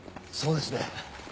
そうですね。